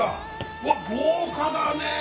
うわっ豪華だねえ！